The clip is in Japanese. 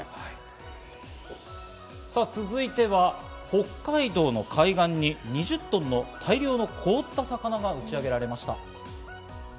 続いては北海道の海岸に２０トンの大量の凍った魚が打ち上げられました。